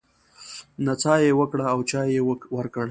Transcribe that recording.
نڅا يې وکړه او چای يې ورکړ.